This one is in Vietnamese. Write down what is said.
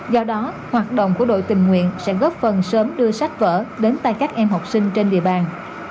do đó hoạt động của đội tình nguyện sẽ góp phần sớm đưa sách vở đến tay các em học sinh trên địa bàn